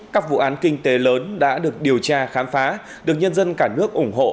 các vụ án kinh tế lớn đã được điều tra khám phá được nhân dân cả nước ủng hộ